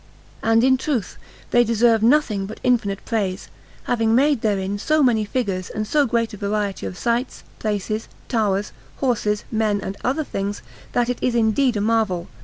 And in truth they deserve nothing but infinite praise, having made therein so many figures and so great a variety of sites, places, towers, horses, men, and other things, that it is indeed a marvel.